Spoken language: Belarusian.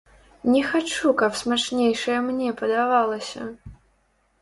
Не хачу, каб смачнейшае мне падавалася!